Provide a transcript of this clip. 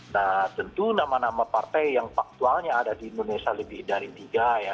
nah tentu nama nama partai yang faktualnya ada di indonesia lebih dari tiga ya